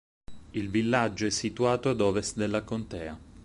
Il villaggio è situato ad ovest della contea.